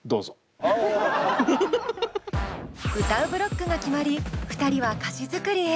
歌うブロックが決まり２人は歌詞作りへ。